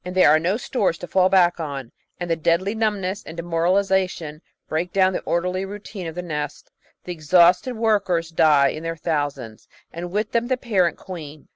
There are no stores to fall back on, and deadly numbness and demoralisation break down the orderly routine of the nest. The exhausted workers die in their thousands, and with them the parent queen.